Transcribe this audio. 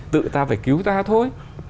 tự ta phải cứu ta thôi